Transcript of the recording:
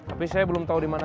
tapi saya belum tau dimana